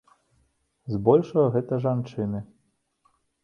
З большага гэта жанчыны!